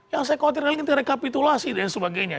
yang saya khawatirkan rekapitulasi dan sebagainya